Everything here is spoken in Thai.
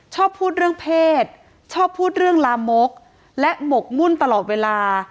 ชอบพูดเรื่องเพศชอบพูดเรื่องลามกและหมกมุ่นตลอดเวลา